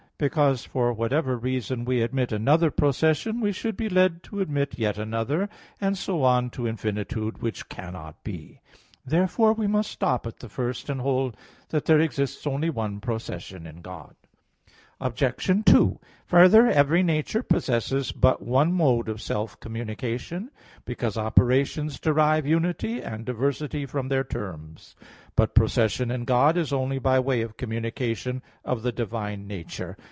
Because, for whatever reason we admit another procession, we should be led to admit yet another, and so on to infinitude; which cannot be. Therefore we must stop at the first, and hold that there exists only one procession in God. Obj. 2: Further, every nature possesses but one mode of self communication; because operations derive unity and diversity from their terms. But procession in God is only by way of communication of the divine nature.